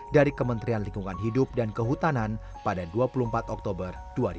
dari kementerian lingkungan hidup dan kehutanan pada dua puluh empat oktober dua ribu dua puluh